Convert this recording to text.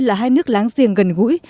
là hai nước láng giềng gần gũi